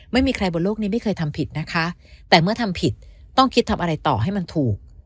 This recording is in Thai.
ไม่มีใครบนโลกนี้ไม่เคยทำผิดนะคะแต่เมื่อทำผิดต้องคิดทำอะไรต่อให้มันถูก